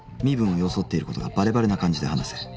身分を装っていることがバレバレな感じで話せ。